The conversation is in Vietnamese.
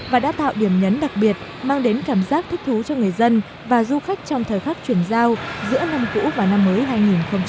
và đã tạo điểm nhấn đặc biệt mang đến cảm giác thích thú cho người dân và du khách trong thời khắc chuyển giao giữa năm cũ và năm mới hai nghìn hai mươi